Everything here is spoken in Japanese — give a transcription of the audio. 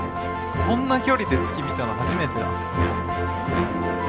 こんな距離で月見たの初めてだ。